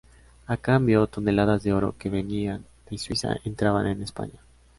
A cambio, toneladas de oro que venían de Suiza entraban en España.